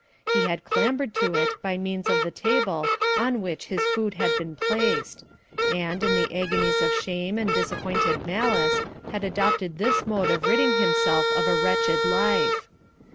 He had clambered to it by means of the table on which his food had been placed; and, in the agonies of shame and disappointed malice, had adopted this mode of ridding himself of a wretched life.